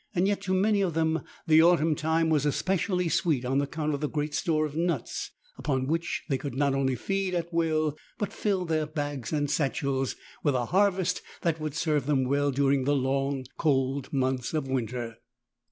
Yet to many of them the autumn time was especially sweet on account of the great store of nuts upon which they could not only feed at will but fill their bags and satchels with a harvest that would serve them well during the long, cold months of winter.